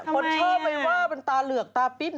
คนเชิญไปว่ามันตาเหลือกตาปิ้น